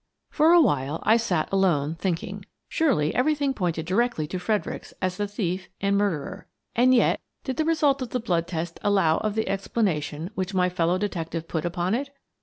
For awhile, I sat alone, thinking. Surely every thing pointed directly to Fredericks as the thief and murderer — and yet did the result of the blood test allow of the explanation which my fellow detective put upon it?